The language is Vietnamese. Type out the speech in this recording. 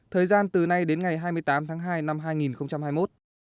thời gian từ nay đến ngày hai mươi tám tháng hai năm hai nghìn hai mươi một